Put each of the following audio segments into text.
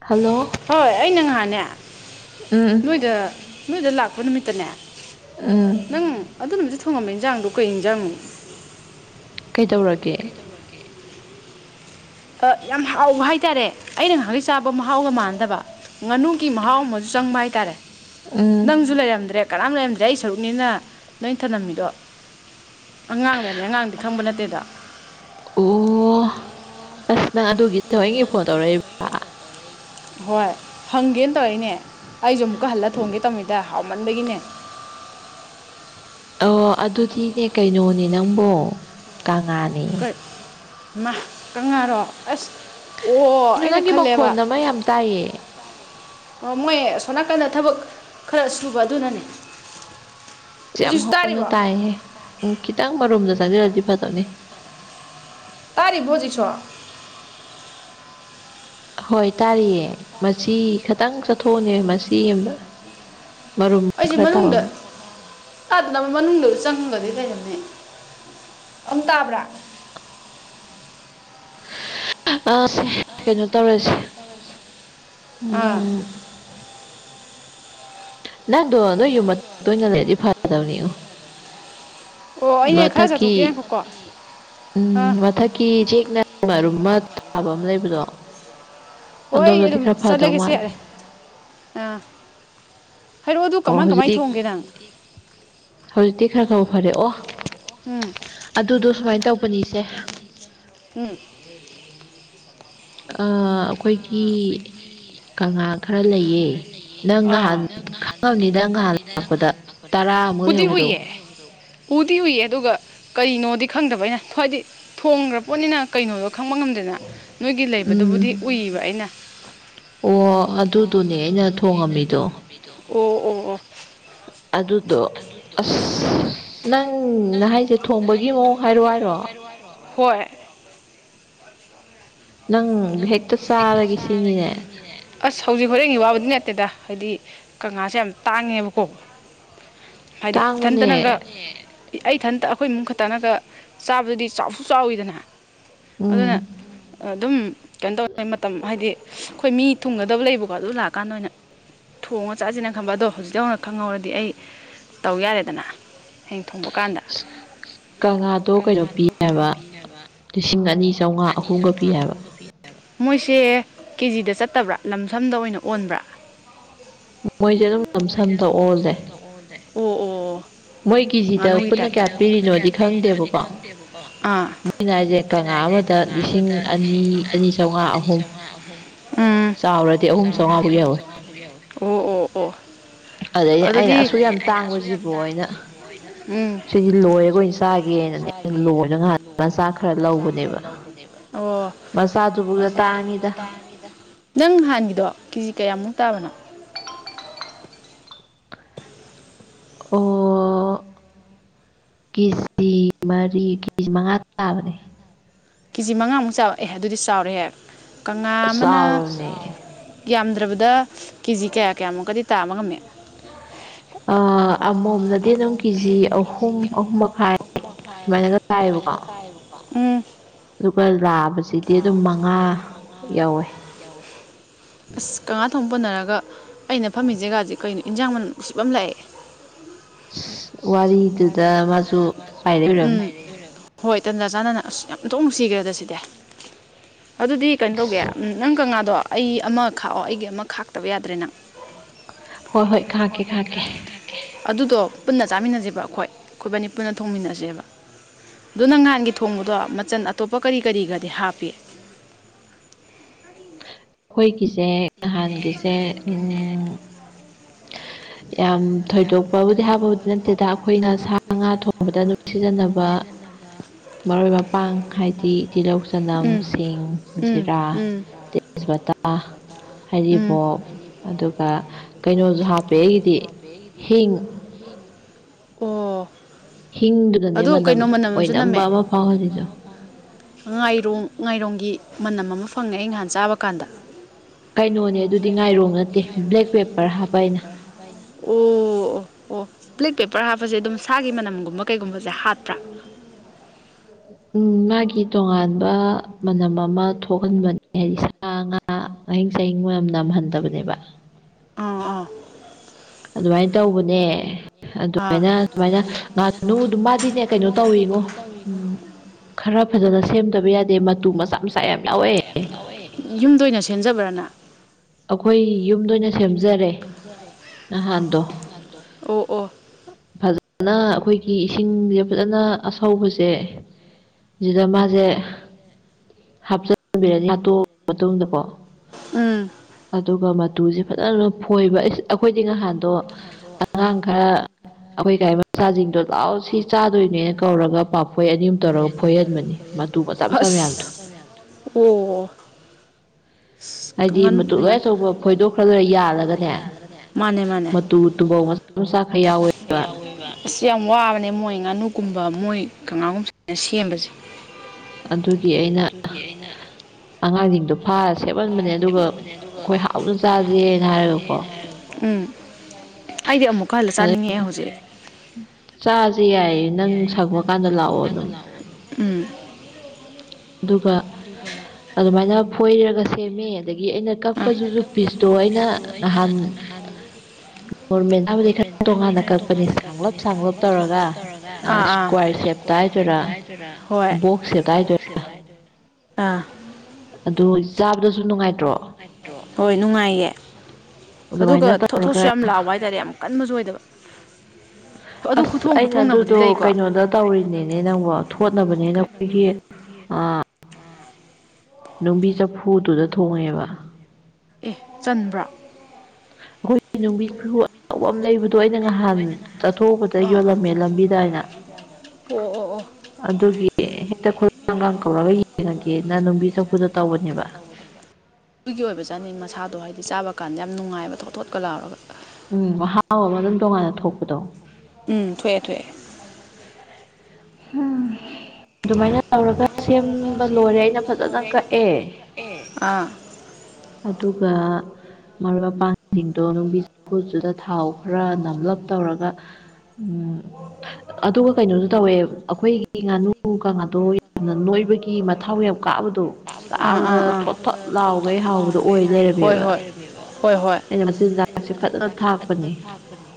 Hello ꯍꯣꯏ ꯑꯩ ꯉꯍꯥꯟꯅꯦ__ ꯎꯝ ꯅꯣꯏꯗ ꯅꯣꯏꯗ ꯂꯥꯛꯄ ꯅꯨꯃꯤꯠꯇꯅꯦ ꯎꯝ ꯅꯪ ꯑꯗꯨ ꯅꯨꯃꯤꯠꯇ ꯊꯣꯡꯉꯝꯕ ꯏꯟꯖꯥꯡꯗꯣ ꯀꯩ ꯏꯟꯖꯥꯡꯅꯣ ꯀꯩꯗꯧꯔꯒꯦ ꯑ ꯌꯥꯝ ꯍꯥꯎꯕ ꯍꯥꯏꯇꯥꯔꯦ ꯑꯩꯅ ꯅꯍꯥꯟꯒꯩ ꯆꯥꯕ ꯃꯍꯥꯎꯒ ꯃꯥꯟꯅꯗꯕ ꯉꯥꯅꯨꯒꯤ ꯃꯍꯥꯎ ꯑꯃꯁꯨ ꯆꯪꯕ ꯍꯥꯏꯇꯥꯔꯦ ꯅꯪꯁꯨ ꯂꯩꯔꯝꯗ꯭ꯔꯦ ꯀꯅꯥꯝ ꯂꯩꯔꯝꯗꯦ ꯑꯩ ꯁꯔꯨꯛꯅꯤꯅ ꯅꯣꯏꯅ ꯊꯅꯝꯃꯤꯗꯣ ꯑꯉꯥꯡ ꯂꯩꯔꯝꯃꯦ ꯑꯉꯥꯡꯗꯤ ꯈꯪꯕ ꯅꯠꯇꯦꯗꯣ ꯑꯣ ꯑꯁ ꯅꯪ ꯑꯗꯨꯒꯤ ꯊꯋꯦꯡꯀꯤ ꯐꯣꯟ ꯇꯧꯔꯛꯏ__ ꯍꯣꯏ ꯍꯪꯒꯦꯟ ꯇꯧꯔꯛꯏꯅꯦ ꯑꯩꯁꯨ ꯑꯃꯨꯛꯀ ꯍꯜꯂ ꯊꯣꯡꯒꯦ ꯇꯧꯅꯤꯗ ꯍꯥꯎꯃꯟꯕꯒꯤꯅꯦ ꯑꯣ ꯑꯗꯨꯗꯤꯅꯦ ꯀꯩꯅꯣꯅꯦ ꯅꯪꯕꯣ ꯀꯥꯡꯉꯥꯅꯦ ꯃꯥ ꯀꯪꯉꯥꯔꯣ ꯑꯁ ꯑꯣ ꯑꯩꯅ ꯈꯜꯂꯦꯕ ꯑꯣ ꯃꯣꯏ ꯑꯁꯣꯅꯥꯀꯟꯗ ꯊꯕꯛ ꯈꯔ ꯁꯨꯕ ꯑꯗꯨꯅꯅꯦ꯫ ꯌꯥꯝ ꯍꯧꯅ ꯇꯥꯏꯍꯦ ꯎꯝ ꯈꯤꯇꯪ ꯃꯔꯨꯝꯗ ꯆꯪꯖꯤꯜꯂꯗꯤ ꯐꯗꯧꯅꯤ ꯇꯥꯔꯤ ꯣꯖꯤꯩꯁꯨꯣ ꯍꯣꯏ ꯇꯥꯔꯤꯌꯦ ꯃ ꯈꯤꯇꯪ ꯆꯠꯊꯣꯛꯎꯅꯦ ꯃ ꯑꯃꯗ ꯑꯩꯁꯤ ꯃꯅꯨꯡꯗ ꯇꯥꯗꯅ ꯃꯅꯨꯡꯗꯁꯨ ꯆꯪꯒꯗꯤ ꯂꯩꯔꯅꯤ ꯑꯝꯛ ꯇꯥꯕ꯭ꯔꯥ [unintelligible] ꯑꯁ ꯁꯦ ꯀꯩꯅꯣ ꯇꯧꯔꯁ ꯎꯝ ꯅꯪꯗꯣ ꯅꯣꯏ ꯌꯨꯝ ꯇꯣꯏꯅ ꯂꯩꯔꯗꯤ ꯐꯗꯕꯅꯤ ꯃꯊꯀꯤ ꯎꯝ ꯃꯊꯛ inaudible ꯃꯔꯨꯝ ꯃ ꯊꯥꯕ ꯑꯃ ꯂꯩꯕꯗꯣ ꯑꯗꯣꯝꯗꯗꯤ ꯈꯔ ꯐꯗꯧ ꯃꯥꯜꯂꯦ꯫ ꯑ ꯍꯥꯏꯔꯛꯑꯣ ꯑꯗꯨ ꯀꯃꯥꯏ ꯀꯃꯥꯏ ꯊꯣꯡꯒꯦ ꯅꯪ ꯍꯧꯖꯤꯛꯇꯤ ꯈꯔ ꯍꯧꯈꯔꯦ ꯑꯣ ꯑꯗꯨꯗꯣ ꯁꯨꯃꯥꯏꯅ ꯇꯧꯒꯅꯤ ꯏꯆꯦ [unintelligible] ꯑ ꯑꯈꯣꯏꯒꯤ ꯀꯪꯉꯥ ꯈꯔ ꯂꯩꯌꯦ ꯑ ꯅꯪ ꯉꯍꯥꯟ ꯈꯪꯉꯝꯅꯤꯗ ꯅꯪ ꯅꯍꯥꯟ [unintelligible] ꯎꯗꯤ ꯎꯏꯌꯦ ꯎꯗꯤ ꯎꯏ ꯑꯗꯨꯒ ꯀꯩꯅꯣꯗꯤ ꯈꯪꯗꯕꯩꯅ ꯍꯥꯏꯋꯥꯗꯤ ꯊꯣꯡꯈ꯭ꯔ ꯄꯣꯠꯅꯤꯅ ꯀꯩꯅꯣꯗꯣ ꯈꯪꯕ ꯉꯝꯗ [unintelligible] ꯅꯣꯏꯒꯤ ꯂꯩꯕꯗꯨꯕꯨꯗꯤ ꯎꯏꯕ ꯑꯩꯅ ꯑꯣ ꯑꯗꯨꯗꯨꯅꯦ ꯑꯩꯅ ꯊꯣꯡꯉꯝ ꯑꯣ ꯑꯣ ꯑꯣ ꯑꯗꯨꯗꯣ ꯑꯁ ꯅꯪ ꯅꯍ ꯍꯥꯏꯁꯦ ꯊꯣꯡꯕꯒꯤ ꯃꯑꯣꯡ ꯍꯥꯏꯔꯣ ꯍꯥꯏꯔꯣ ꯍꯣꯏ ꯅꯪ ꯍꯦꯛꯇ ꯍꯛꯇꯣ ꯆꯒꯤ ꯇꯤꯡꯔ ꯑꯁ ꯍꯧꯖꯤꯛ ꯍꯣꯔꯦꯟꯒꯤ ꯋꯥꯕꯗꯤ ꯅꯠꯇꯦꯗ ꯍꯥꯏꯗꯤ ꯀꯪꯂꯥꯁꯦ ꯌꯥꯝ ꯇꯥꯡꯉꯦꯕꯀꯣ ꯍꯥꯏꯗꯤ ꯏꯊꯟꯇꯅꯒ [unintelligible] ꯑꯩ ꯏꯟꯇ ꯑꯈꯣꯏ ꯏꯃꯨꯡ ꯈꯇꯅꯒ ꯆꯥꯕꯗꯤ ꯆꯥꯎꯁꯨ ꯆꯥꯎꯌꯤꯗꯅ ꯑꯗꯨꯅ ꯑꯗꯨꯝ ꯀꯩꯟ ꯇꯧ ꯍꯣꯏ ꯃꯇꯝ ꯍꯥꯏꯗꯤ ꯑꯩꯈꯣꯏ ꯃꯤ ꯊꯨꯡꯒꯗꯕ ꯂꯩꯕꯀꯣ ꯑꯗꯨ ꯂꯥꯛꯑꯀꯥꯟꯗ ꯑꯣꯏꯅ ꯊꯣꯡꯉ ꯆꯠꯁꯤꯅ ꯈꯪꯕ ꯑꯗꯣ ꯍꯧꯖꯤꯛꯇ ꯍꯧꯅ ꯈꯪꯍꯧꯔꯗꯤ ꯑꯩ ꯇꯧ ꯌꯥꯔꯦꯗꯅ ꯍꯌꯦꯡ ꯊꯣꯡꯕ ꯀꯥꯟꯗ ꯀꯪꯉꯥꯗꯣ ꯀꯩꯅꯣ ꯄꯤ ꯍꯥꯏꯕ ꯂꯤꯁꯤꯡ ꯑꯅꯤ ꯆꯧꯉꯥ ꯑꯍꯨꯝꯒ ꯄꯤ ꯍꯥꯏꯕ ꯃꯣꯏꯁꯦ ꯀꯦꯖꯤꯗ ꯆꯠꯇꯕ꯭ꯔꯥ ꯂꯝꯁꯝꯗ ꯑꯣꯏꯅ ꯑꯣꯟꯕ꯭ꯔꯥ ꯃꯣꯏꯖꯦ ꯑꯗꯨꯝ ꯂꯝꯁꯝꯗ ꯑꯣꯜꯂꯦ ꯑꯣ ꯑꯣ ꯉꯅꯨꯒꯤ ꯇꯞꯇꯥ ꯑꯥ ꯃꯣꯏꯅ ꯍꯥꯏꯁꯦ ꯀꯪꯂꯥ ꯑꯃꯗ ꯂꯤꯁꯤꯡ ꯑꯅꯤ ꯑꯅꯤ ꯆꯥꯝꯃꯉꯥ ꯎꯝ ꯑꯣ ꯑꯣ ꯑꯣ [inaudible] ꯑꯗꯩꯗꯤ ꯑꯩꯅ ꯑꯁꯨꯛ ꯌꯥꯝ ꯇꯥꯡꯕꯁꯤꯕꯣ ꯑꯩꯅ ꯁꯤꯗꯤ ꯂꯣꯏꯔꯒ ꯑꯣꯏꯅ ꯆꯥꯒꯦꯅꯅꯦ ꯈꯅꯦ ꯑꯣ ꯅꯪ ꯉꯍꯥꯟꯒꯤꯗꯣ ꯀꯦꯖꯤ ꯀꯌꯥꯃꯨꯛ ꯇꯥꯕꯅꯣ꯫ ꯑꯣ [unintelligible] ꯃꯔꯤ [unintelligible] ꯃꯉꯥ ꯇꯥꯕꯅꯦ ꯀꯦꯖꯤ ꯃꯉꯥꯃꯨꯛ ꯆꯥꯎ ꯑꯦ ꯑꯗꯨꯗꯤ ꯆꯥꯎꯔꯦ ꯍꯦꯛ ꯀꯪꯂꯥ ꯑꯃꯅ ꯌꯥꯝꯗ꯭ꯔꯕꯗ ꯀꯦꯖꯤ ꯀꯌꯥ ꯀꯌꯥꯃꯨꯛꯀꯗꯤ ꯇꯥꯕ ꯉꯝꯃꯦ ꯑꯥ ꯑꯃꯣꯝꯅꯗꯤ ꯑꯗꯨꯝ ꯀꯦꯖꯤ ꯑꯍꯨꯝ ꯑꯍꯨꯝ ꯃꯈꯥꯏ ꯁꯨꯃꯥꯏꯅ ꯎꯝ꯫ ꯑꯗꯨꯒ ꯂꯥꯕ ꯂꯥꯕꯁꯤ ꯑꯗꯨꯝ ꯃꯉꯥ [inaudible] ꯑꯁ ꯀꯪꯉꯥ ꯊꯣꯡ ꯄꯟꯅꯔꯒ ꯑꯩꯅ ꯐꯝꯃꯤ ꯖꯦꯒꯥꯥꯖꯤ ꯀꯩꯅꯣ ꯏꯟꯖꯥꯡ ꯃꯅꯝ ꯅꯨꯡꯁꯤꯕꯥ ꯑꯃ ꯂꯥꯛꯑꯦ꯫ ꯋꯔꯤ ꯗꯨꯗꯥ ꯃꯁꯨ ꯎꯝ ꯄꯥꯏꯔꯛꯏ ꯑꫭꯏꯔꯝꯅꯤ ꯍꯣꯏ ꯇꯟꯖꯥ ꯆꯥꯟꯅꯅ ꯑꯁ ꯌꯥꯝ ꯊꯣꯛ ꯅꯨꯡꯁꯤꯒ꯭ꯔꯦꯗ ꯁꯤꯗꯤ ꯑꯗꯨꯗꯤ ꯀꯩꯅꫭ ꯇꯧꯒꯦ ꯅꯪ ꯀꯪꯉꯥꯗꯣ ꯑꯩ ꯑꯃ ꯈꯥꯛꯑꯣ ꯑꯩꯒꯤ ꯑꯃ ꯈꯥꯛꯇꯕ ꯌꯥꯗ꯭ꯔꯦ ꯅꯪ꯫ ꯍꯣꯏ ꯍꯣꯏ ꯈꯥꯛꯀꯦ ꯈꯥꯛꯀꯦ ꯑꯗꯨꯗꯣ ꯄꯨꯟꯅ ꯆꯥꯃꯤꯟꯅꯁꯤꯕ ꯍꯣꯏ ꯈꯣꯏꯕꯥꯅꯤ ꯄꯨꯟꯅ ꯊꯣꯡꯃꯤꯟꯅꯁꯦꯕ꯫ ꯑꯗꯨ ꯅꯪ ꯅꯍꯥꯟꯒꯤ ꯊꯣꯡꯕꯗꯣ ꯃꯆꯟ ꯑꯇꯣꯞꯄ ꯀꯔꯤ ꯀꯔꯤꯒꯗꯤ ꯍꯥꯞꯄꯤ ꯑꯩꯈꯣꯏꯒꯤꯁꯦ ꯅꯍꯥꯟꯒꯤꯁꯦ ꯎꯝ ꯌꯥꯝ ꯌꯥꯝ ꯊꯣꯏꯗꯣꯛꯄꯕꯨꯗꯤ ꯍꯥꯞꯄꯕꯨꯗꯤ ꯅꯠꯇꯦꯗꯥ ꯑꯩꯈꯣꯏꯅ ꯁꯥ ꯉꯥ ꯊꯣꯡꯕꯗ ꯑꯗꯨ ꯁꯤꯖꯤꯟꯅꯕ ꯃꯔꯣꯏ ꯃꯄꯥꯡ ꯍꯥꯏꯗꯤ ꯇꯤꯜꯂꯧ ꯆꯅꯝ ꯁꯤꯡ ꯖꯤꯔꯥ ꯇꯦꯁ ꯄꯥꯇꯥ ꯍꯥꯏꯔꯤꯕꯣꯛ ꯑꯗꯨꯒ ꯀꯩꯅꯣꯁꯨ ꯍꯥꯞꯄꯦ ꯑꯩꯒꯤꯗꯤ ꯍꯤꯡ ꯍꯤꯡ ꯑꯣ ꯍꯤꯡꯗꯨꯅꯅꯦ ꯃꯅꯝ ꯑꯣꯏꯅꯝꯕ ꯑꯃ ꯐꯥꯎꯍꯜꯂꯤꯗꫭ ꯉꯥꯏꯔꯣꯡ ꯉꯥꯏꯔꯣꯡꯒꯤ ꯃꯅꯝ ꯑꯃ ꯐꯪꯉꯦ ꯑꯩ ꯅꯍꯥꯟ ꯆꯥꯕ ꯀꯥꯟꯗ꯫ ꯀꯩꯅꯣꯅꯦ ꯑꯗꯨꯗꯤ ꯉꯥꯏꯔꯣ ꯅꯠꯇꯦ ꯕ꯭ꯂꯦꯛ ꯄꯦꯄꯔ ꯄꯦꯄꯔ ꯍꯥꯏ [unintelligible] ꯑꯣ ꯑꯣ ꯑꯣ ꯕ꯭ꯂꯦꯛ ꯄꯦꯄꯔ ꯍꯥꯞꯄꯖꯦ ꯑꯗꯨꯝ ꯁꯥꯒꯤ ꯃꯅꯝꯒꯨꯝꯕ ꯀꯩꯒꯨꯝꯕꯖꯦ ꯍꯥꯠꯄ꯭ꯔꯥ ꯎꯝ ꯃꯥꯒꯤ ꯇꯣꯉꯥꯟꯕ ꯃꯅꯝ ꯑꯃ ꯊꯣꯛꯍꯟꯕꯅꯦ ꯍꯥꯏꯗꯤ ꯁꯥ ꯉꯥ ꯉꯍꯤꯡ ꯆꯍꯤꯡ ꯃꯅꯝ ꯅꯝꯍꯟꯗꯕꯅꯦꯕ ꯑꯥ ꯑꯥ ꯑꯗꯨꯃꯥꯏꯅ ꯇꯧꯕꯅꯦ ꯑꯗꯨꯃꯥꯏꯅ ꯑꯗꯨꯃꯥꯏꯅ ꯉꯥꯥꯅꯨ ꯑꯗꯨꯝ ꯃꯥꯗꯤꯅꯦ ꯀꯩꯅꯣ ꯇꯧꯋꯉꯣ ꯎꯝ ꯈꯔ ꯐꯖꯅ ꯁꯦꯝꯗꯕ ꯌꯥꯗꯦ ꯃꯇꯨ ꯃꯆꯥ ꯃꯆꯥ ꯌꯥꯝ ꯌꯥꯎꯋꯦ ꯌꯨꯝꯗ ꯑꯣꯏꯅ ꯁꯦꯝꯖꯕ꯭ꯔ ꯅꯪ ꯑꯩꯈꯣꯏ ꯌꯨꯝꯗ ꯑꯣꯏꯅ ꯁꯦꯝꯖꯔꯦ ꯅꯍꯥꯟꯗꯣ ꯑꯣ ꯑꯣ ꯐꯖ ꯐꯖꯅ ꯑꯩꯈꯣꯏꯒꯤ ꯏꯁꯤꯡꯁꯦ ꯐꯖꯅ ꯑꯁꯧꯕꯁꯦ ꯑꯗꯨꯗꯥ ꯃꯥꯖꯦ ꯍꯥꯞꯆꯤꯟꯕꯤꯔꯅꯤ ꯍꯥꯠꯇꯣꯛꯑ ꯃꯇꯨꯡꯗꯀꯣ ꯎꯝ꯫ ꯑꯗꯨꯒ ꯃꯇꯨꯁꯦ ꯐꯖꯅ ꯐꯣꯏꯕ ꯑꯁ ꯑꯩꯈꯣꯏꯗꯤ ꯅꯍꯥꯟꯗꯣ ꯑꯉꯥꯡ ꯈꯔ ꯑꯩꯈꯣꯏ ꯀꯥꯏ ꯃꯆꯥꯁꯤꯡꯗꯣ ꯂꯥꯎ ꯁꯤ ꯆꯥꯗꯣꯏꯅꯦꯅ ꯀꯧꯔꯒ ꯄꯥꯐꯣꯏ ꯑꯅꯤ ꯑꯨꯝ ꯇꯧꯔꯒ ꯐꯣꯏꯍꯟꯕꯅꯤ꯫ ꯃꯇꯨ ꯃꯆꯥ ꯃꯆꯥ ꯃꯌꯥꯝꯗꯣ꯫ ꯑꯣ [inaudible] ꯍꯥꯏꯗꯤ ꯃꯇꯨ ꯂꯣꯏ ꯑꯆꯧꯕ ꯐꯣꯏꯗꯣꯛꯈ꯭ꯔꯒ ꯌꯥꯜꯂꯒꯅꯦ ꯃꯇꯨ ꯇꯨꯝꯕꯧ ꯃ ꯃꯆꯥ ꯈꯔꯥ ꯌꯥꯎꯋꯦꯕ꯫ ꯏꯁ ꯌꯥꯝ ꯋꯥꯕꯅꯦ ꯃꯣꯏ ꯉꯥꯅꯨꯒꯨꯝꯕ ꯃꯣꯏ ꯀꯪꯉꯥꯒꯨꯝꯕ ꯁꯦꯝꯕꯖꯦ ꯑꯗꯨꯒꯤ ꯑꯩꯅ ꯑ ꯑꯉꯥꯡꯖꯤꯡꯗꯣ ꯐꯥꯔ ꯁꯦꯝꯍꯟꯕꯅꯦ ꯑꯗꯨꯒ ꯑꯈꯣꯏ ꯍꯥꯎꯅ ꯆꯥꯥꯖꯦꯅ ꯍꯥꯏꯔꯒꯀꯣ ꯑꯩꯗꯤ ꯑꯃꯨꯛꯀ ꯍꯜꯂ ꯆꯥꯅꯤꯡꯉꯛꯑꯦ ꯍꯧꯖꯤꯛ ꯆꯥꯁꯦ ꯌꯥꯏꯌꯦ ꯅꯪ ꯁꯪꯕ ꯀꯥꯟꯗ ꯂꯥꯛꯑꯣ ꯑꯗꯨꯝ ꯎꯝ꯫ ꯑꯗꯨꯒ [unintelligible] ꯑꯗꯨꯃꯥꯏꯅ ꯐꯣꯏꯔꯒ ꯁꯦꯝꯃꯦ ꯑꯗꯒꯤ ꯑꯩꯅ ꯑ ꯑꯩꯅ ꯀꯛꯄꯗꯨꯖꯨ ꯄꯤꯁꯇꯣ ꯑꯩꯅ ꯅꯍꯥꯟ ꯇꯣꯉꯥꯟꯅ ꯀꯛꯄꯅꯦ ꯆꯥꯎꯔꯞ ꯆꯥꯎꯔꯞ ꯇꯧꯔꯒ ꯑꯥ ꯑꯥ ꯋꯥꯏ ꯁꯦꯞꯇ ꯍꯥꯏꯗꯣꯏꯔ ꯍꯣꯏ ꯕꯣꯛꯁ ꯁꯦꯞꯇ ꯍꯥꯏꯗꯣꯏꯔ ꯑꯥ ꯑꯗꯣ ꯆꯥꯕꯗꯖꯨ ꯆꯥꯕꯖꯨ ꯅꯨꯡꯉꯥꯏꯇꯔꯣ ꯍꯣꯏ ꯅꯨꯡꯉꯥꯏꯌꯦ ꯑꯗꯨꯒ ꯊꯣꯠꯊꯣꯠꯁꯨ ꯌꯥꯝ ꯂꯥꯎꯕ ꯍꯥꯏꯇꯥꯔꯦ ꯌꯥꯝ ꯀꯟꯕꯖꯨ ꯑꯣꯏꯗꯕ ꯑꯁ ꯑꯩꯅ ꯑꯗꯨꯗꯣ ꯀꯩꯅꯣꯗ ꯇꯧꯔꯤꯅꯤꯅꯦ ꯅꯪꯕꯣ ꯊꯣꯠꯅꯕꯅꯤꯅ ꯑꯩꯈꯣꯏꯒꯤ ꯅꯨꯕꯤ ꯆꯐꯨꯗꯨꯗ ꯊꯣꯡꯉꯦꯕ ꯑꯦ ꯆꯟꯕ꯭ꯔꯣ ꯈꯣꯏꯗꯤ ꯅꯨꯡꯕꯤ ꯆꯥꯐꯨ ꯆꯧꯕ ꯑꯃ ꯂꯩꯕꯗꯣ ꯑꯩꯅ ꯉꯍꯥꯟ ꯆꯠꯊꯣꯛꯎꯕꯗ ꯌꯣꯜꯂꯝꯃꯦ ꯂꯝꯕꯤꯗ ꯍꯥꯏꯅ ꯑꯗꯨꯒꯤ [unintelligible] ꯑꯗꯨꯒꯤ ꯑꯣꯏꯕ ꯖꯥꯠꯅꯤ ꯃꯁꯥꯗꯣ ꯍꯥꯏꯗꯤ ꯆꯥꯕ ꯀꯥꯟꯗ ꯌꯥꯝ ꯅꯨꯡꯉꯥꯏꯕ ꯊꯣꯠ ꯊꯣꯠꯀ ꯂꯥꯎꯔꯒ ꯎꯝ ꯃꯍꯥꯎ ꯑꯃ ꯑꯗꯨꯝ ꯇꯣꯉꯥꯟꯅ ꯊꯣꯛꯄꯗꯣ ꯎꯝ ꯊꯣꯛꯑꯦ ꯊꯣꯛꯑꯦ ꯍꯨꯝ ꯑꯗꯨꯃꯥꯏꯅ ꯑꯗꯨꯃꯥꯏꯅ ꯇꯧꯔꯒ ꯁꯦꯝꯕ ꯂꯣꯏꯔꯦ ꯑꯩꯅ ꯐꯖꯅ ꯀꯛꯑꯦ ꯑꯦ ꯑꯗꯨꯒ ꯃꯔꯣꯏ ꯃꯄꯥꯡꯖꯤꯡꯗꯣ ꯅꯨꯡꯕꯤ ꯆꯥꯐꯨꯗꯨꯗ ꯊꯥꯎ ꯈꯔ ꯅꯝꯂꯞ ꯇꯧꯔꯒ ꯎꯝ ꯑꯗꯨꯒ ꯀꯩꯅꯣꯖꯨ ꯇꯧꯋꯦ ꯑꯩꯈꯣꯏꯒꯤ ꯉꯥꯅꯨ ꯀꯥꯉꯥꯗꯣ ꯌꯥꯝꯅ ꯅꯣꯏꯕꯒꯤ ꯃꯊꯥꯎ ꯌꯥꯝ ꯀꯥꯕꯗꯣ ꯑꯗꯨ ꯆꯥꯕꯗ ꯊꯣꯠ ꯊꯣꯠ ꯂꯥꯎꯒꯩ ꯍꯥꯎꯕꯗꯣ ꯑꯣꯏ ꯂꯩꯔꯝꯃꯦꯕ ꯑꯩꯅ ꯃꯆꯤꯟꯖꯥꯛꯁꯦ ꯐꯖꯅ ꯊꯥꯛꯄꯅꯤ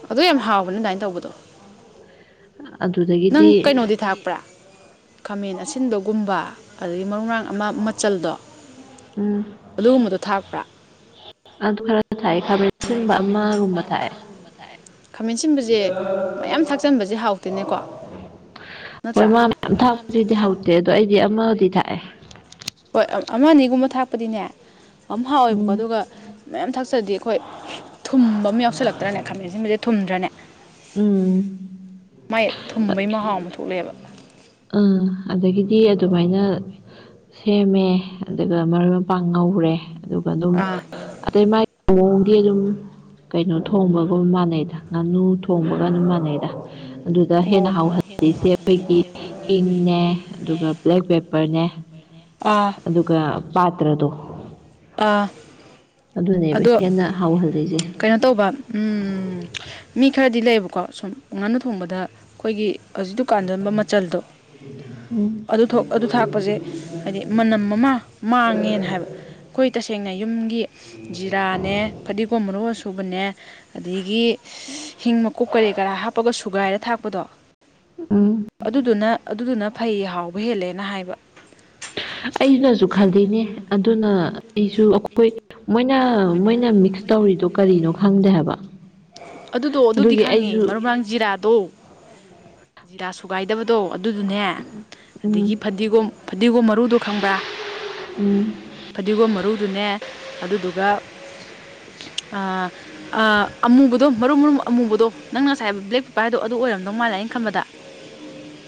ꯑꯗꯨ ꯌꯥꯝ ꯍꯥꯎꯕꯅꯦ ꯑꯗꯨꯃꯥꯏꯅ ꯇꯧꯕꯗꯣ ꯑꯗꯨꯗꯒꯤꯗꯤ ꯗꯤ ꯊꯥꯛꯄ꯭ꯔꯥ ꯈꯥꯃꯦꯟ ꯑꯁꯤꯟꯕꯒꯨꯝꯕ ꯑꯗꯨꯗꯒꯤ ꯃꯔꯨ ꯃꯔꯥꯡ ꯑꯃ ꯃꯆꯜꯗꯣ ꯎꯝ ꯑꯗꯨ ꯈꯔ ꯈꯥꯃꯦꯟ ꯁꯤꯟꯕꯁꯦ ꯃꯌꯥꯝ ꯊꯥꯛꯆꯟꯕꯁꯦ ꯍꯥꯎ ꯇꯦꯅꯦꯀꯣ ꯅꯠꯇ꯭ꯔꯥ ꯍꯣꯏ ꯃꯥ ꯌꯥꯝ ꯊꯥꯔꯁꯤꯗꯤ ꯍꯥꯎꯁꯦ ꯑꯗꯣ ꯑꯩꯗꯤ ꯑꯃ ꯊꯥꯛꯑꯦ ꯍꯣꯏ ꯑꯃ ꯑꯅꯤꯒꯨꯝꯕ ꯊꯥꯛꯄꯗꯤꯅꯦ ꯌꯥꯝ ꯍꯥꯎꯋꯦꯕꯀꯣ ꯑꯗꯨꯒ ꯃꯌꯥꯝ ꯊꯥꯛꯆꯔꯗꯤ ꯑꯩꯈꯣꯏ ꯊꯨꯝꯕ ꯑꯃ ꯌꯥꯎꯁꯜꯂꯛꯇ꯭ꯔꯅꯦ ꯈꯥꯃꯦꯟ ꯑꯁꯤꯟꯕꯁꯦ ꯊꯨꯝꯗ꯭ꯔꯅꯦ ꯎꯝ ꯃꯥꯏ ꯊꯨꯝꯕꯩ ꯃꯍꯥꯎ ꯑꯃ ꯊꯣꯛꯂꯛꯑꯦꯕ ꯎꯝ ꯑꯗꯒꯤꯗꯤ ꯑꯗꯨꯃꯥꯏꯅ ꯁꯦꯝꯃꯦ ꯑꯗꯨꯒ ꯃꯔꯣꯏ ꯃꯄꯥꯡ ꯉꯧꯔꯦ ꯑꯗꯨꯒ ꯑꯗꯨꯝ ꯑꯗꯩꯥ ꯃꯥ [unintelligible] ꯑꯗꯨꯝ ꯀꯩꯅꯣ ꯊꯣꯡꯕꯒꯨꯝ ꯃꯥꯟꯅꯩꯗ ꯉꯥꯅꯨ ꯊꯣꯡꯕꯒ ꯑꯗꯨꯝ ꯃꯥꯟꯅꯩꯗ ꯑꯗꯨꯗ ꯍꯦꯟꯅ ꯍꯥꯎꯍꯜꯂꯤꯁꯦ ꯑꯩꯈꯣꯏꯒꯤ ꯍꯤꯡꯅꯦ ꯑꯗꯨꯒ ꯕ꯭ꯂꯦꯛ ꯄꯦꯄꯔꯅꯦ ꯑꯗꯨꯒ ꯄꯥꯇ꯭ꯔꯗꯣ ꯑꯥ ꯑꯗꯨꯅꯦꯕ ꯍꯦꯟꯅ ꯍꯥꯎꯍꯜꯂꯤꯖꯦ ꯀꯩꯅꯣ ꯇꯧꯕ ꯎꯝ ꯃꯤ ꯈꯔꯗꯤ ꯂꯩꯌꯦꯕꯀꯣ ꯁꯨꯝ ꯉꯥꯅꯨ ꯊꯣꯡꯕꯗ ꯑꯩꯈꯣꯏꯒꯤ ꯍꯧꯖꯤꯛ ꯗꯨꯀꯥꯟꯗꯝꯕ ꯃꯆꯜꯗꯣ ꯑꯗꯨꯊꯣꯛ ꯑꯗꯨ ꯊꯥꯛꯄꯖꯦ ꯍꯥꯏꯗꯤ ꯃꯅꯝ ꯑꯃ ꯃꯥꯡꯉꯦꯅ ꯍꯥꯏꯕ ꯑꯩꯈꯣꯏ ꯇꯁꯦꯡꯅ ꯌꯨꯝꯒꯤ ꯖꯤꯔꯥꯅꯦ ꯐꯗꯤꯒꯣꯝ ꯃꯔꯨ ꯑꯁꯨꯨꯕꯅꯦ ꯑꯗꯒꯤ ꯍꯤꯡ ꯃꯀꯨꯞ ꯀꯔꯤ ꯀꯔꯥ ꯍꯥꯞꯄꯒ ꯁꯨꯒꯥꯏꯔ ꯊꯥꯛ ꯄꯗꯣ ꯑꯗꯨꯗꯨꯅ ꯑꯗꯨꯗꯨꯅ ꯐꯩ ꯍꯥꯎꯕ ꯍꯦꯜꯂꯦꯅ ꯍꯥꯏꯕ ꯑꯩꯅꯖꯨ ꯈꯜꯂꯤꯅꯦ ꯑꯗꯨꯅ ꯑꯩꯁꯨ ꯃꯣꯏꯅ ꯃꯣꯏꯅ ꯃꯤꯛꯁ ꯇꯧꯔꯤꯗꯣ ꯀꯔꯤꯅꯣ ꯈꯪꯗꯦ ꯍꯥꯏꯕ ꯑꯗꯨꯗꯣ ꯑꯗꯨꯗꯤ ꯈꯪꯉꯦ ꯃꯔꯨ ꯃꯔꯥꯡ ꯖꯤꯔꯥꯗꯣ ꯖꯤꯔꯥ ꯁꯨꯒꯥꯏꯗꯕꯗꯣ ꯑꯗꯨꯗꯨꯅꯦ ꯑꯗꯒꯤ ꯐꯗꯤꯒꯣꯝ ꯐꯗꯤꯒꯣꯝ ꯃꯔꯨꯗꯣ ꯈꯪꯕ꯭ꯔꯥ ꯎꯝ ꯐꯗꯤꯒꯣꯝ ꯃꯔꯨꯗꯨꯅꯦ ꯑꯗꯨꯗꯨꯒ ꯑ ꯑꯥ ꯑꯃꯨꯕꯗꯣ ꯃꯔꯨꯝ ꯃꯔꯨꯝ ꯑꯃꯨꯕꯗꯣ ꯅꯪ ꯉꯁꯥꯏ ꯍꯥꯏꯕ ꯕ꯭ꯂꯦꯛ ꯄꯦꯄꯔ ꯍꯥꯏꯗꯣ ꯑꯗꯨ ꯑꯣꯏꯔꯝꯗꯧ ꯃꯥꯜꯂꯦ ꯑꯩꯅ ꯈꯟꯕꯗ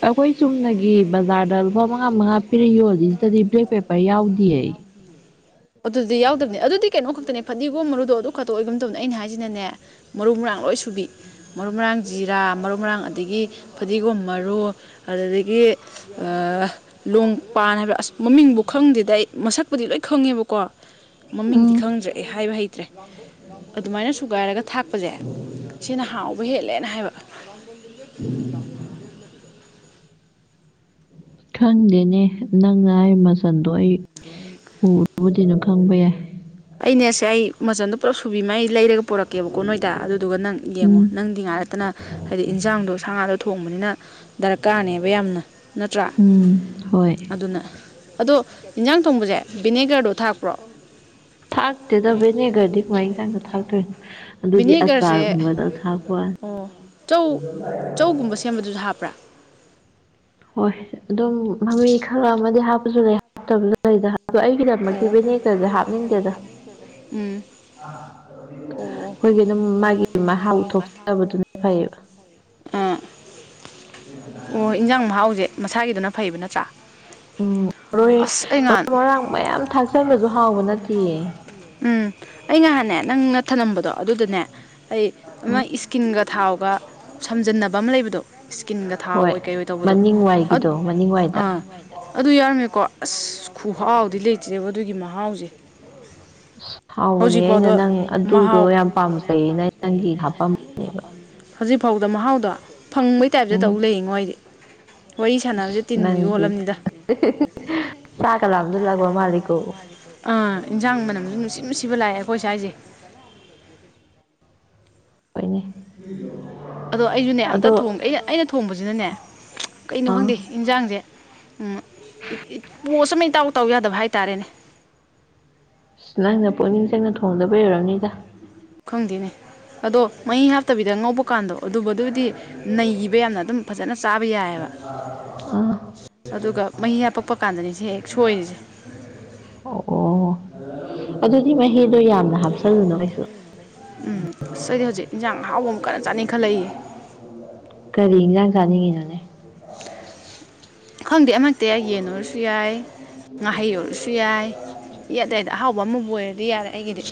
ꯑꯈꯣꯏ ꯆꯨꯝꯅꯒꯤ ꯕꯖꯥꯔꯗ ꯂꯨꯄꯥ ꯃꯉꯥ ꯃꯉꯥ ꯄꯤꯔ ꯌꯣꯜꯂꯤ ꯖꯤꯗꯗꯤ ꯕ꯭ꯂꯦꯛ ꯄꯦꯄꯔ ꯌꯥꯎꯗꯤꯌꯦ ꯑꯗꯨꯗꯤ ꯌꯥꯎꯗꯕꯅꯦ ꯑꯗꯨꯗꯤ ꯀꯩꯅꯣ ꯈꯛꯇꯅꯦ ꯐꯗꯤꯒꯣꯝ ꯃꯔꯨꯗꯣ ꯑꯗꯨ ꯈꯛꯇ ꯑꯣꯏꯒꯨꯝ ꯇꯧꯕꯅꯦ ꯑꯩꯅ ꯍꯥꯏꯖꯤꯅꯅꯦ ꯃꯔꯨ ꯃꯔꯥꯡ ꯂꯣꯏꯁꯨꯕꯤ ꯃꯔꯨ ꯃꯔꯥꯡ ꯖꯤꯔꯥ ꯃꯔꯨ ꯃꯔꯥꯡ ꯑꯗꯒꯤ ꯐꯗꯤꯒꯣꯝ ꯃꯔꯨ ꯑꯗꯨꯗꯒꯤ ꯑ ꯂꯨꯡ ꯄꯥꯟ ꯍꯥꯏꯕ ꯑꯁ ꯃꯃꯤꯡꯕꯨ ꯈꯪꯗꯦꯗ ꯑꯩ ꯃꯁꯛꯄꯨꯗꯤ ꯂꯣꯏ ꯈꯪꯉꯦꯕ ꯀꯣ ꯃꯃꯤꯡꯗꯤ ꯈꯪꯗ꯭ꯔꯦ ꯑꯩ ꯍꯥꯏꯕ ꯍꯩꯇ꯭ꯔꯦ ꯑꯗꯨꯃꯥꯏꯅ ꯁꯨꯒꯥꯏꯔꯒ ꯊꯥꯛꯄꯖꯦ ꯁꯤꯅ ꯍꯥꯎꯕ ꯍꯦꯜꯂꯦꯅ ꯍꯥꯏꯕ [inaudible] ꯈꯪꯗꯦꯅꯦ ꯅꯪꯅ ꯍꯥꯏꯔꯤ ꯃꯆꯜꯗꯣ ꯑꯩ ꯎꯔꯨꯕꯨꯗꯤ ꯑꯗꯨꯝ ꯈꯪꯕ ꯌꯥꯏ ꯑꯩꯅꯦꯁꯦ ꯑꯩ ꯃꯆꯟꯗꯣ ꯄꯨꯂꯞ ꯁꯨꯕꯤꯃ ꯑꯩ ꯂꯩꯔꯒ ꯄꯨꯔꯛꯀꯦꯕꯀꯣ ꯅꯣꯏꯗ ꯑꯗꯨꯗꯨꯒ ꯅꯪ ꯌꯦꯡꯉꯣ ꯅꯪꯗꯤ ꯉꯥꯏ ꯅꯠꯇꯅ ꯍꯥꯏꯗꯤ ꯏꯟꯖꯥꯡꯗꯣ ꯁꯥ ꯉꯥꯗꯣ ꯊꯣꯡꯕꯅꯤꯅ ꯗꯔꯀꯥꯔꯅꯦꯕ ꯌꯥꯝꯅ ꯅꯠꯇ꯭ꯔꯥ ꯑꯗꯨꯅ ꯑꯗꯣ ꯏꯟꯖꯥꯡ ꯊꯣꯡꯕꯖꯦ ꯕꯤꯅꯦꯒꯔꯗꯣ ꯊꯥꯛꯄ꯭ꯔꯣ ꯊꯥꯛꯇꯦꯗ ꯕꯤꯅꯦꯒꯔꯗꯤ ꯀꯃꯥꯏꯅ ꯕꯤꯅꯦꯒꯔꯖꯦ ꯑꯣ ꯆꯧ ꯆꯧꯒꯨꯝꯕ ꯁꯦꯝꯕꯗꯁꯨ ꯍꯥꯞꯄ꯭ꯔꯥ? ꯍꯣꯏ ꯑꯗꯨꯝ ꯃꯃꯤ ꯈꯔ ꯑꯃꯗꯤ ꯍꯥꯞꯄꯁꯨ ꯂꯩ ꯍꯥꯞꯇꯕꯁꯨ ꯂꯩꯗ [unintelligible] ꯎꯝ ꯑꯣ ꯃꯣꯏꯒꯤꯅ ꯑꯃꯨꯛ ꯃꯥꯒꯤ ꯃꯍꯥꯎ ꯊꯣꯛꯇꯕ [unintelligible] ꯑ ꯑꯣ ꯏꯟꯖꯥꯡ ꯃꯍꯥꯎꯖꯦ ꯃꯁꯥꯒꯤꯗꯨꯅ ꯐꯩꯕ ꯅꯠꯇ꯭ꯔꯥ ꯑꯁ ꯑꯩꯉꯥꯟ [unintelligible] ꯎꯝ ꯑꯩ ꯉꯍꯥꯟꯅꯦ ꯅꯪꯅ ꯊꯅꯝꯕꯗꯣ ꯑꯗꯨꯗꯨꯅꯦ ꯑꯩ ꯑꯃ ꯏꯁꯀꯤꯟꯒ ꯊꯥꯎꯒ ꯁꯝꯖꯟꯅꯕ ꯑꯃ ꯂꯩꯕꯗꯣ ꯏꯁꯀꯤꯟꯒ ꯊꯥꯎꯑꯣꯏ ꯀꯩ ꯑꯣꯏ ꯇꯧꯕ ꯃꯅꯤꯡ ꯋꯥꯏꯒꯤꯗꯣ ꯃ ꯑꯥ ꯑꯗꯨ ꯌꯥꯎꯔꯝꯃꯤꯀꯣ ꯑꯁ ꯈꯨꯍꯥꯎꯗꯤ ꯂꯩ ꯑꯗꯨꯒꯤ ꯃꯍꯥꯎꯖꯦ ꯑꯁ ꯍꯥꯎꯕꯅꯦ ꯑꯩꯅ ꯅꯪ ꯑꯗꯨꯗꯣ ꯌꯥꯝ ꯄꯥꯝꯖꯩꯅ ꯑꯩꯅ ꯅꯪꯒꯤ ꯍꯥꯞꯄꯝ ꯍꯧꯖꯤꯛ ꯐꯥꯎꯗ ꯃꯍꯥꯎꯗꯣ ꯐꯪꯕꯩ ꯇꯥꯏꯞꯗ ꯇꯧ ꯂꯩꯉꯣ ꯑꯩꯗꯤ ꯋꯥꯔꯤ ꯁꯥꯟꯅꯕꯁꯦ ꯇꯤꯟꯕꯨ ꯌꯣꯜꯂꯝꯅꯤꯗ [unintelligible] ꯆꯥꯛꯀ ꯂꯥꯝꯖꯤꯜꯂꯛꯄ ꯃꯥꯜꯂꯤꯀꯣ ꯑꯥ ꯏꯟꯖꯥꯡ ꯃꯅꯝꯖꯨ ꯅꯨꯡꯁꯤ ꯅꯨꯡꯁꯤꯕ ꯂꯥꯛꯑꯦ ꯑꯩꯈꯣꯏ ꯁ꯭ꯋꯥꯏꯁꯖꯦ ꯑꯣꯏꯅꯦ ꯑꯗꯣ ꯑꯩꯖꯨꯅꯦ ꯑꯝꯇ ꯊꯣꯡ ꯑꯩꯅ ꯑꯩꯅ ꯊꯣꯡꯕꯖꯤꯅꯅꯦ ꯀꯩꯅꯣ ꯈꯪꯗꯦ ꯏꯟꯖꯥꯡꯖꯦ ꯎꯝ ꯏꯠ ꯏꯠ ꯄꯣꯁ ꯑꯃ ꯏꯇꯥꯎ ꯇꯥꯎ ꯌꯥꯗꯕ ꯍꯥꯏꯇꯥꯔꯦꯅꯦ ꯅꯪꯅ ꯄꯨꯛꯅꯤꯡ ꯆꯪꯅ ꯊꯣꯡꯗꯕꯩ ꯑꯣꯢꯔꯝꯅꯤꯗ ꯈꯪꯗꯦꯅꯦ ꯑꯗꯣ ꯃꯍꯤ ꯍꯥꯞꯇꯕꯤꯗ ꯉꯧꯕ ꯀꯥꯟꯗꯣ ꯑꯗꯨꯕꯨꯗꯨꯗꯤ ꯅꯩꯒꯤꯕ ꯌꯥꯝꯅ ꯑꯗꯨꯝ ꯐꯖꯅ ꯆꯥꯕ ꯌꯥꯏꯑꯕ ꯑꯗꯨꯒ ꯃꯍꯤ ꯍꯥꯞꯄꯛꯄ ꯀꯥꯟꯗꯅꯤꯁꯦ ꯍꯦꯛ ꯁꯣꯏꯔꯤꯁꯦ ꯑꯣ ꯑꯣ ꯑꯗꯨꯗꯤ ꯃꯍꯤꯗꯣ ꯌꯥꯝꯅ ꯍꯥꯞꯆꯜꯂꯨꯅꯣ ꯀꯩꯁꯨ ꯎꯝ ꯑꯩꯗꯤ ꯍꯧꯖꯤꯛ ꯏꯟꯖꯥꯡ ꯑꯍꯥꯎꯕ ꯑꯝ ꯀꯟꯅ ꯆꯥꯅꯤꯡꯈꯠꯂꯛꯏꯌꯦ ꯀꯔꯤ ꯏꯟꯖꯥꯡ ꯆꯥꯅꯤꯡꯉꯤꯅꯣꯅꯦ ꯈꯪꯗꯦ ꯑꯃ ꯍꯦꯛꯇ ꯌꯥꯏ ꯌꯦꯟ ꯑꯣꯏꯔꯁꯨ ꯌꯥꯏ ꯉꯥꯍꯩ ꯑꯣꯏꯔꯁꯨ ꯌꯥꯏ ꯏꯃꯥꯗꯥ ꯌꯥꯏꯗ ꯑꯍꯥꯎꯕ ꯑꯃꯕꯨ ꯑꯣꯏꯔꯗꯤ ꯌꯥꯔꯦ ꯑꯩꯒꯤꯗꯤ